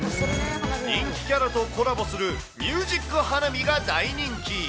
人気キャラとコラボするミュージック花火が大人気。